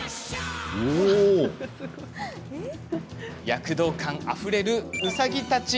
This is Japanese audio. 躍動感あふれる、うさぎたち。